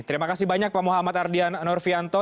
terima kasih banyak pak muhammad ardian norvianto